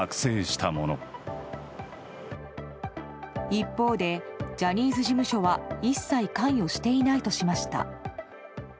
一方でジャニーズ事務所は一切関与していないとしました。